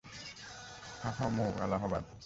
Phaphamau, Allahabad.